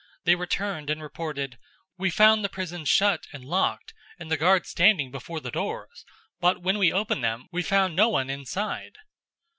They returned and reported, 005:023 "We found the prison shut and locked, and the guards standing before the doors, but when we opened them, we found no one inside!"